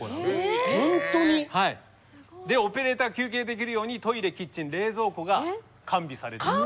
オペレーターが休憩できるようにトイレ・キッチン・冷蔵庫が完備されている。